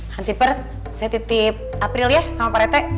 hansi pers saya titip april ya sama paret teh